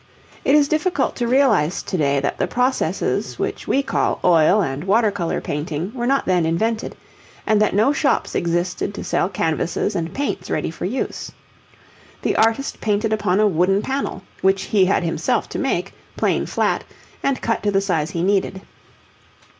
It is difficult to realize to day that the processes which we call oil and water colour painting were not then invented, and that no shops existed to sell canvases and paints ready for use. The artist painted upon a wooden panel, which he had himself to make, plane flat, and cut to the size he needed.